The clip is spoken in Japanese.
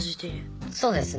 そうですね。